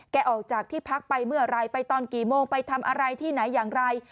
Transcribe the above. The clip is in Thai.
ออกจากที่พักไปเมื่อไหร่ไปตอนกี่โมงไปทำอะไรที่ไหนอย่างไร